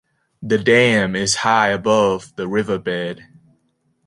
The dam is high above the riverbed.